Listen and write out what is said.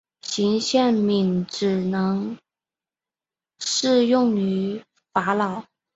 象形茧只能适用于法老。